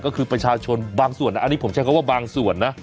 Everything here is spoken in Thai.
ก็คือประชาชนบางส่วนอันนี้ผมใช้คำว่าบางส่วนนะ